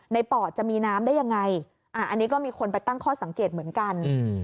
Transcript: ปอดจะมีน้ำได้ยังไงอันนี้ก็มีคนไปตั้งข้อสังเกตเหมือนกัน